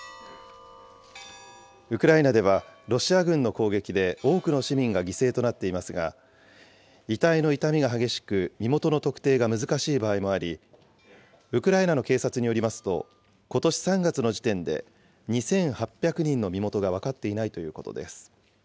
ウクライナでは、ロシア軍の攻撃で多くの市民が犠牲となっていますが、遺体の傷みが激しく、身元の特定が難しい場合もあり、ウクライナの警察によりますと、ことし３月の時点で、２８００人の身元が分かっていないということです。